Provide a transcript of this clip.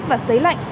và xấy lạnh